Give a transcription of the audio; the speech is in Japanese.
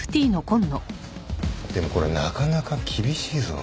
でもこれなかなか厳しいぞ。